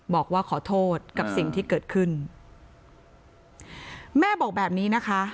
บอกว่าขอโทษกับสิ่งที่เกิดขึ้นแม่บอกแบบนี้นะคะ